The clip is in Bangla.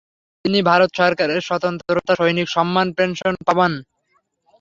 তিনি ভারত সরকারের স্বতন্ত্রতা সৈনিক সম্মান পেনশন পান।